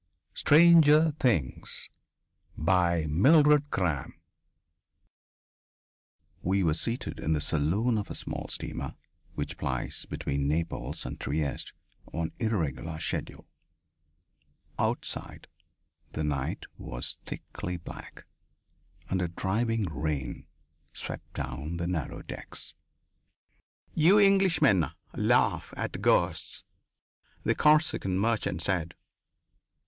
STRANGER THINGS By MILDRED CRAM From Metropolitan Magazine We were seated in the saloon of a small steamer which plies between Naples and Trieste on irregular schedule. Outside, the night was thickly black and a driving rain swept down the narrow decks. "You Englishmen laugh at ghosts," the Corsican merchant said.